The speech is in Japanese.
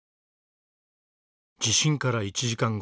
地震から１時間後。